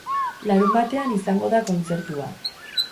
Larunbatean izango da kontzertua.